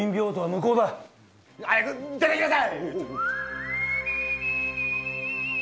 早く出ていきなさい！